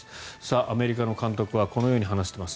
アメリカの監督はこのように話しています。